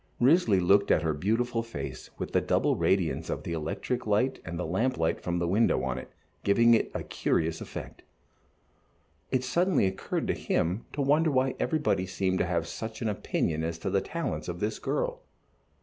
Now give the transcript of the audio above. Risley looked at her beautiful face with the double radiance of the electric light and the lamp light from the window on it, giving it a curious effect. It suddenly occurred to him to wonder why everybody seemed to have such an opinion as to the talents of this girl.